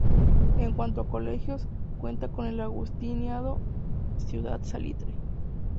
En cuanto a colegios, cuenta con el Agustiniano Ciudad Salitre.